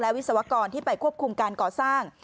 วิศวกรที่ไปควบคุมการก่อสร้าง